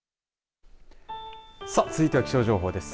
さあ続いては気象情報です。